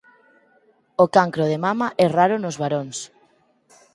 O cancro de mama é raro nos varóns.